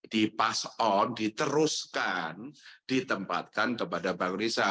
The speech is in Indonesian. di pass on diteruskan ditempatkan kepada bang rizal